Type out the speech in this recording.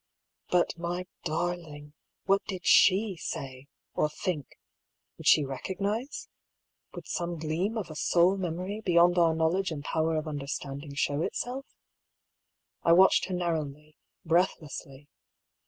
But, my darling^ what did she say, or think ? Would she recognise? Would some gleam of a soul memory beyond our knowledge and power of understanding show itself ? I watched her narrowly, breathlessly.